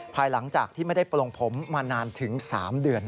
ภายหลังจากที่ไม่ได้ปลงผมมานานถึง๓เดือน